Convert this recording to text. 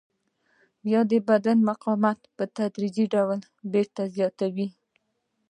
بیا د بدن مقاومت په تدریجي ډول بېرته زیاتوي.